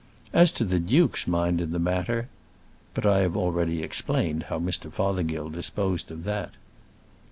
As to the duke's mind in the matter ! But I have already explained how Mr. Fothergill disposed of that.